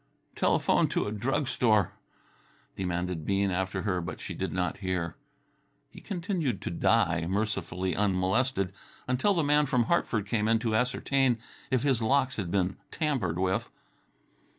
"Telephone to a drug store," demanded Bean after her, but she did not hear. He continued to die, mercifully unmolested, until the man from Hartford came in to ascertain if his locks had been tampered with.